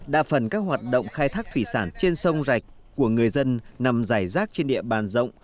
đa phần các hoạt động khai thác thủy sản trên sông rạch của người dân nằm giải rác trên địa bàn rộng